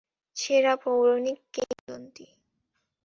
সেরা, পৌরাণিক, কিংবদন্তী।